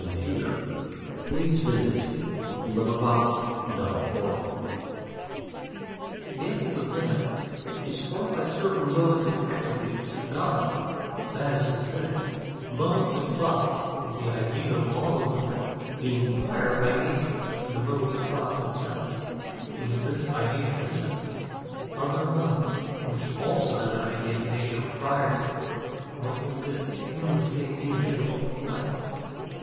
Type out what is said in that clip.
The Nature of the Human Mind The essence of man is formed by certain modes of the attributes of God, that is to say, modes of thought, the idea of all of them being prior by nature to the modes of thought themselves; and if this idea exists, other modes (which also have an idea in nature prior to them) must exist in the same individual likewise.